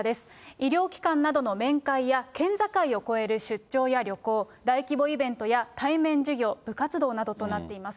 医療機関などの面会や県境を越える出張や旅行、大規模イベントや対面授業、部活動などとなっています。